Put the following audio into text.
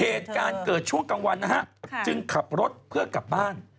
เหตุการณ์เกิดช่วงกลางวันนะฮะจึงขับรถเพื่อกลับบ้าน